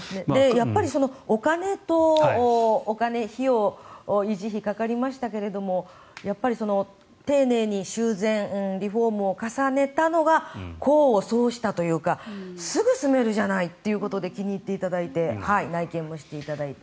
やっぱりお金維持費がかかりましたけど丁寧に修繕リフォームを重ねたのが功を奏したというかすぐ住めるじゃないということで気に入っていただいて内見もしていただいて。